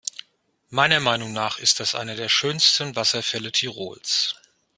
Meiner Meinung nach ist das einer der schönsten Wasserfälle Tirols.